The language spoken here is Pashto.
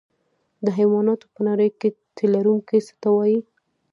د حیواناتو په نړۍ کې تی لرونکي څه ته وایي